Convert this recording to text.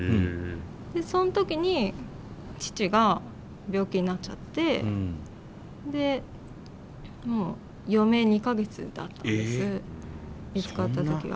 でその時に父が病気になっちゃってもう余命２か月だったんです見つかった時には。